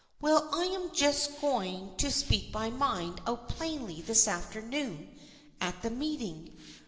Well, I am just going to speak my mind out plainly this afternoon at the meeting.